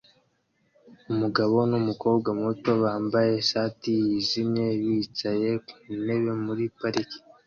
Umugabo n'umukobwa muto bambaye ishati yijimye bicaye ku ntebe muri parike